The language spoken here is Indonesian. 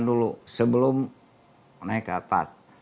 dulu sebelum naik ke atas